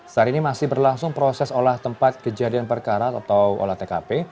saat ini masih berlangsung proses olah tempat kejadian perkara atau olah tkp